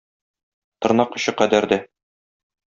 Тырнак очы кадәр дә...